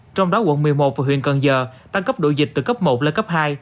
trong đó quận một mươi một và huyện cần giờ tăng cấp độ dịch từ cấp một lên cấp hai